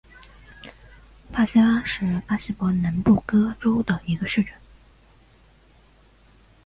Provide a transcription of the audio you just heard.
帕西拉是巴西伯南布哥州的一个市镇。